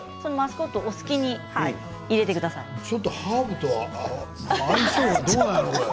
マスコットをお好きに入れてください。